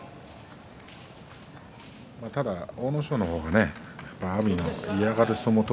ただ阿武咲の方が阿炎の嫌がる相撲を